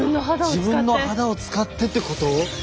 自分の肌を使ってってこと？